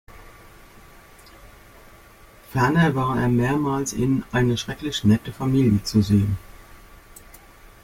Ferner war er mehrmals in "Eine schrecklich nette Familie" zu sehen.